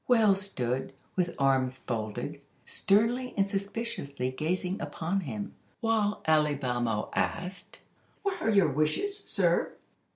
Wells stood, with arms folded, sternly and suspiciously gazing upon him, while Alibamo asked: "What are your wishes, sir?"